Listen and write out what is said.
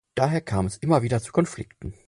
Daher kam es immer wieder zu Konflikten.